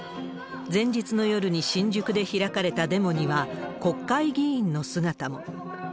前日の夜に新宿で開かれたデモには、国会議員の姿も。